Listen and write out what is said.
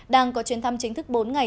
đang có chuyến thăm chính thức bốn ngày